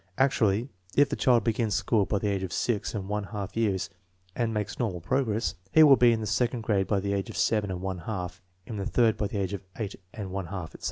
Actually, if the child begins school by the age of six and one half years and makes normal progress, he will be in the second grade by the age of seven and one half, in the third by the age of eight and one half, etc.